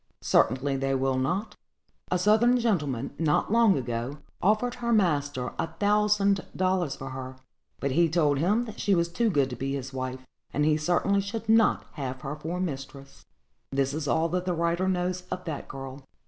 "Certainly they will not; a Southern gentleman, not long ago, offered her master a thousand dollars for her: but he told him that she was too good to be his wife, and he certainly should not have her for a mistress." This is all that the writer knows of that girl.